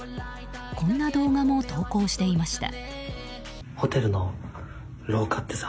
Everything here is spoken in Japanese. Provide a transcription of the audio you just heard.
こんな動画も投稿していました。